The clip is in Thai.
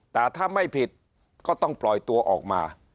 แต่ถ้าไม่ผิดก็ต้องปล่อยตัวออกมา